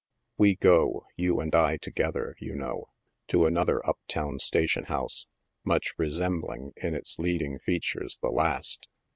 We go, you and I together, you know, to another up town station house, much resembling, in its leading features, the last.